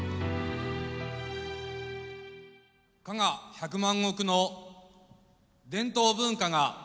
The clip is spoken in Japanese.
加賀百万石の伝統文化が今も息づく